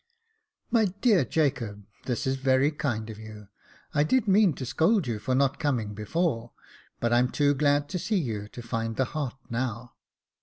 " My dear Jacob, this is very kind of you. I did mean to scold you for not coming before ; but I'm too glad to see you to find the heart now.